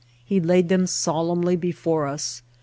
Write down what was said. He laid them solemnly before us.